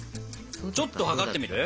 ちょっと測ってみる？